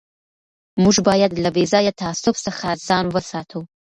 موږ باید له بې ځایه تعصب څخه ځان وساتو.